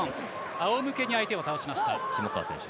あおむけに相手を倒しました。